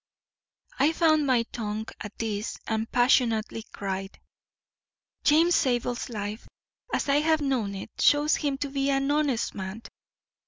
I found my tongue at this and passionately cried: "James Zabel's life, as I have known it, shows him to be an honest man.